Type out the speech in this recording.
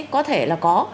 có thể là có